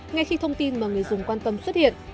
ngay khi thông tin mà người dùng quan tâm xuất hiện